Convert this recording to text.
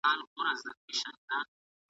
د کور تشناب هوا ته خلاص وساتئ.